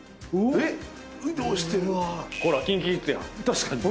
確かに。